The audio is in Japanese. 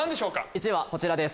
１位はこちらです。